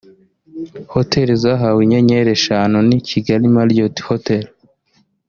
Hoteli zahawe inyenyeri eshanu ni Kigali Marriot Hotel